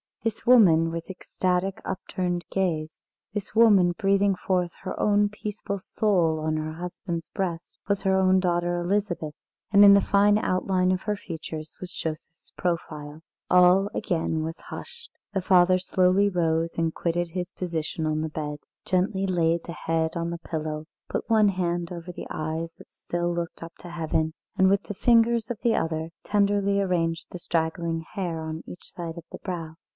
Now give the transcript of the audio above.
This woman with ecstatic, upturned gaze, this woman breathing forth her peaceful soul on her husband's breast, was her own daughter Elizabeth, and in the fine outline of her features was Joseph's profile. All again was hushed. The father slowly rose and quitted his position on the bed, gently laid the head on the pillow, put one hand over the eyes that still looked up to heaven, and with the fingers of the other tenderly arranged the straggling hair on each side of the brow.